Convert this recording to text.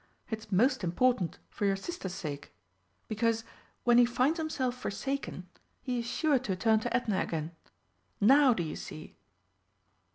It's most important, for your Sister's sake. Because, when he finds himself forsaken, he is sure to turn to Edna again. Now do you see?"